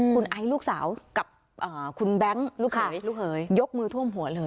คุณไอลูกสาวกับคุณแบ๊งค์ลูกเหยยกมือท่วมหัวเลย